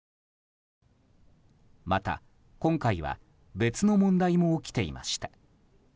また今回は別の問題も起きていました。